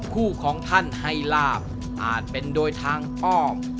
คู่ของท่านให้ลาบอาจเป็นโดยทางอ้อม